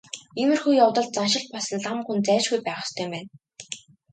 Иймэрхүү явдалд заншил болсон лам хүн зайлшгүй байх ёстой юм байна.